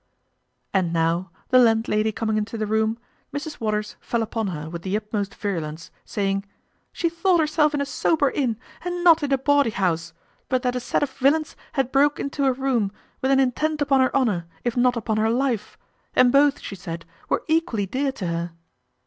And now, the landlady coming into the room, Mrs Waters fell upon her with the utmost virulence, saying, "She thought herself in a sober inn, and not in a bawdy house; but that a set of villains had broke into her room, with an intent upon her honour, if not upon her life; and both, she said, were equally dear to her."